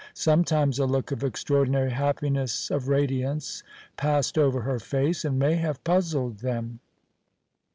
Sometimes a look of extraordinary happiness, of radiance, passed over her face, and may have puzzled them.